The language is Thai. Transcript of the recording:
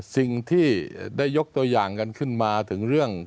สิ่งที่ได้ยกตัวอย่างกันขึ้นมาถึงเรื่อง